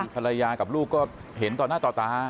ภรรยากับลูกก็เห็นต่อหน้าต่อตา